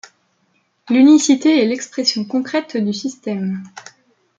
L'unicité est l'expression concrète du système.